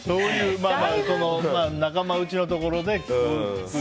仲間内のところで。